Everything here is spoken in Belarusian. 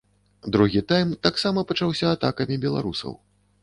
Другі тайм таксама пачаўся атакамі беларусаў.